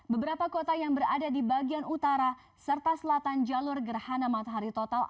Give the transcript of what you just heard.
beberapa kota yang berada di bagian utara serta selatan jalur gerhana matahari total